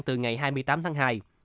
từ ngày hai mươi tám tháng hai